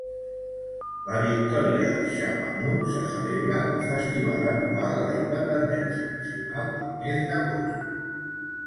La victòria del Shah Mahmud se celebra en el festival anual de la independència nacional, el mes d'agost.